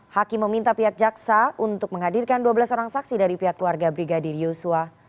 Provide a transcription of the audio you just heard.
hakim meminta pihak jaksa untuk menghadirkan dua belas orang saksi dari pihak keluarga brigadir yosua